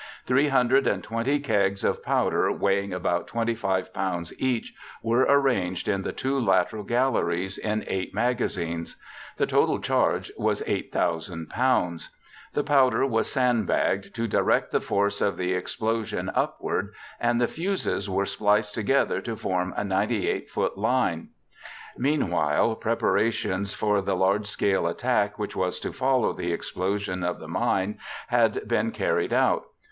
Three hundred and twenty kegs of powder weighing about 25 pounds each were arranged in the two lateral galleries in eight magazines. The total charge was 8,000 pounds. The powder was sandbagged to direct the force of the explosion upward and the fuses were spliced together to form a 98 foot line. Meanwhile, preparations for the large scale attack which was to follow the explosion of the mine had been carried out.